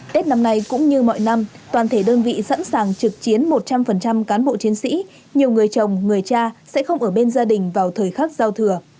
tết năm nay cũng như mọi năm toàn thể đơn vị sẵn sàng trực chiến một trăm linh cán bộ chiến sĩ nhiều người chồng người cha sẽ không ở bên gia đình vào thời khắc giao thừa